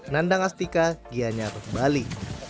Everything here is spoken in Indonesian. nandang astika giyanjar bali